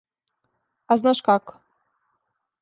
А знаш како?